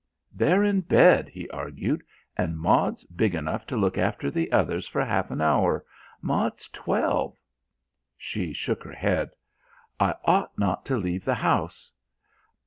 "They're in bed," he argued, "and Maud's big enough to look after the others for half an hour. Maud's twelve." She shook her head. "I ought not to leave the house."